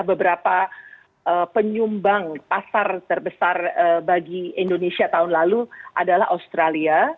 beberapa penyumbang pasar terbesar bagi indonesia tahun lalu adalah australia